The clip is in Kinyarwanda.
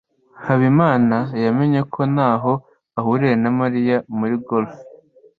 habimana yemeye ko ntaho ahuriye na mariya muri golf